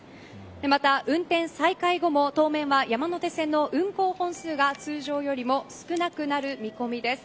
また、運転再開後も当面は、山手線の運行本数が通常よりも少なくなる見込みです。